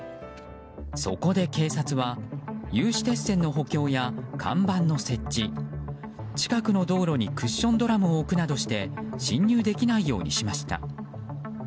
そこで警察は、有刺鉄線の補強や看板の設置、近くの道路にクッションドラムを置くなどして侵入できないようにしました。